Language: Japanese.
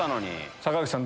坂口さん